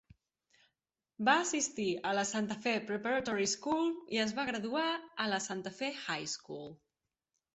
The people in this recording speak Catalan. Va assistir a la Santa Fe Preparatory School i es va graduar a la Santa Fe High School.